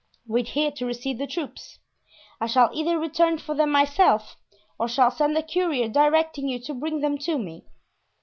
"Wait here to receive the troops. I shall either return for them myself or shall send a courier directing you to bring them to me.